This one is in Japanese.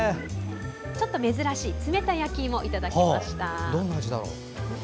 ちょっと珍しい冷たい焼きいもをいただきました。